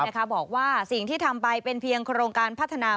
บอกว่าสิ่งที่ทำไปเป็นเพียงโครงการพัฒนา